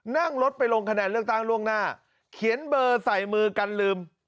นั่งรถไปลงคะแนนเลือกตั้งล่วงหน้าเขียนเบอร์ใส่มือกันลืม